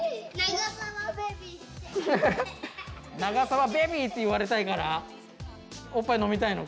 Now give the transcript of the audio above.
ながさわベビーって言われたいからおっぱい飲みたいのか。